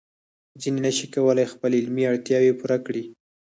ځینې نشي کولای خپل علمي اړتیاوې پوره کړي.